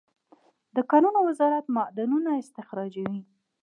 د کانونو وزارت معدنونه استخراجوي